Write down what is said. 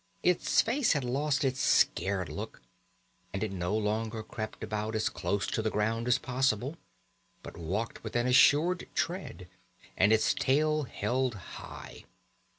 Its face had lost its scared look, and it no longer crept about as close to the ground as possible, but walked with an assured tread and its tail held high.